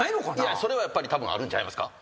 それはやっぱりたぶんあるんちゃいますか？